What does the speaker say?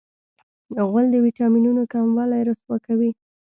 غول د وېټامینونو کموالی رسوا کوي.